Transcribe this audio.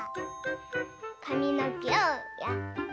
かみのけをやって。